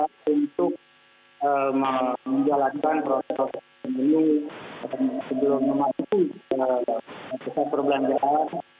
jadi untuk menjalankan proses proses ini sebelum memastikan kesehatan perbelanjaan